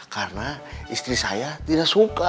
karena istri saya tidak suka